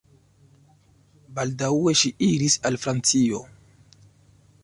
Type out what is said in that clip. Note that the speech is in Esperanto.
Baldaŭe ŝi iris al Francio.